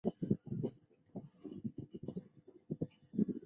字符串同态是使得每个字母被替代为一个单一字符串的字符串代换。